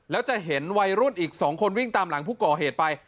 แล้วจะเห็นวัยรุ่นอีก๒คนวิ่งตามหลังผู้ก่อเหตุไป